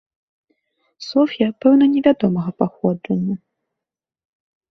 Соф'я, пэўна не вядомага паходжання.